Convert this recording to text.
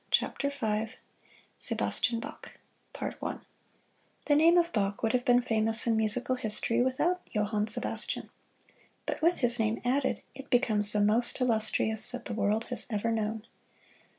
[Illustration: SEBASTIAN BACH] SEBASTIAN BACH The name of Bach would have been famous in musical history without Johann Sebastian, but with his name added it becomes the most illustrious that the world has ever known.